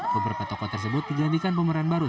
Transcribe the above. beberapa tokoh tersebut digantikan pemeran baru